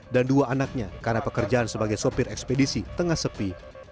dan dua anaknya karena pekerjaan sebagai sopir ekspedisi tengah sepi